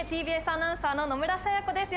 ＴＢＳアナウンサーの野村彩也子です